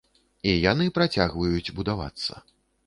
І яны працягваюць будавацца.